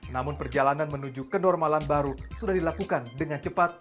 namun perjalanan menuju kenormalan baru sudah dilakukan dengan cepat